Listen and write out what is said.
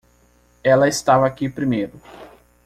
Ela estava aqui primeiro.